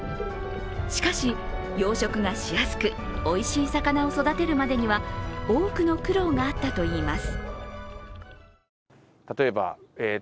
しかし、養殖がしやすくおいしい魚を育てるまでには多くの苦労があったといいます。